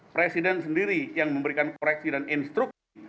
presiden sendiri yang memberikan koreksi dan instruksi